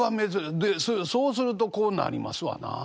そうするとこうなりますわなあ。